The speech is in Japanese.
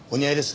はい。